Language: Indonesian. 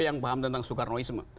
yang paham tentang soekarnoisme